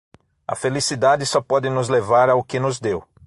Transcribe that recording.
A felicidade só pode nos levar ao que nos deu.